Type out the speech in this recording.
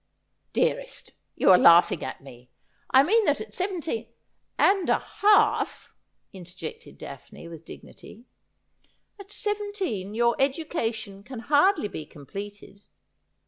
' Dearest, you are laughing at me. I mean that at seven teen —'' And a half,' interjected Daphne, with dignity. ' At seventeen your education can hardly be completed.'